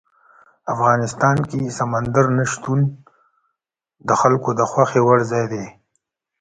افغانستان کې سمندر نه شتون د خلکو د خوښې وړ ځای دی.